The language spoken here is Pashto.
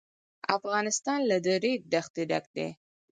افغانستان له د ریګ دښتې ډک دی.